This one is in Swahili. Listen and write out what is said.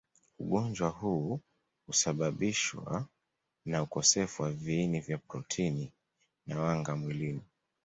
Ugonjwa huu husababishwa na ukosefu wa viini vya protini na wanga mwilini